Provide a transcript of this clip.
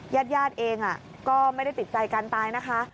ญาติเองก็ไม่ได้ติดใจกันไปนะคะ